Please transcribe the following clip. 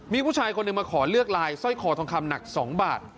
มีผู้ชายคนหนึ่งมาขอเลือกลายสร้อยคอทองคำหนัก๒บาท